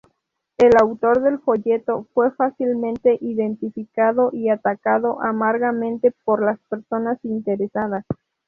El autor del folleto fue fácilmente identificado y atacado amargamente por las personas interesadas.